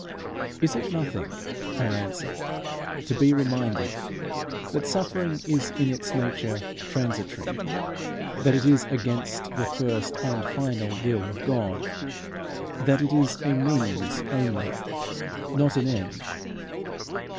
Is it nothing, I answer, to be reminded that suffering is in its nature transitory that it is against the first and final will of God that it is a means only, not an end?